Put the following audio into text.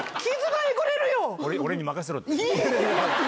俺に任せろって。